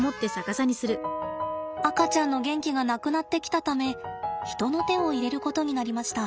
赤ちゃんの元気がなくなってきたため人の手を入れることになりました。